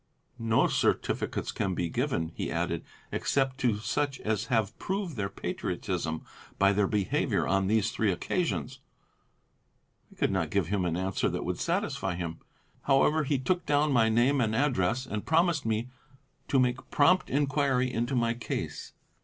'No certificates can be given,' he added, 'except to such as have proved their patriotism by their behaviour on these three occasions.' I could not give him an answer that would satisfy him. However, he took down my name and address and promised me to make prompt enquiry into my case.